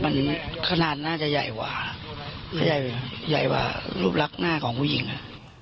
มันขนาดน่าจะใหญ่กว่าจะใหญ่กว่าใหญ่กว่ารูปลักษณ์หน้าของผู้หญิงอ่ะ